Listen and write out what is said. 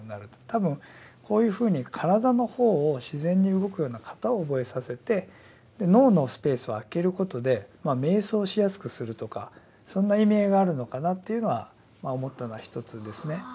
多分こういうふうに体の方を自然に動くような形を覚えさせて脳のスペースを空けることで瞑想しやすくするとかそんな意味合いがあるのかなというのは思ったのは一つですね。